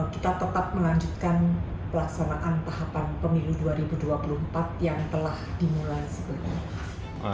kita tetap melanjutkan pelaksanaan tahapan pemilu dua ribu dua puluh empat yang telah dimulai sebelumnya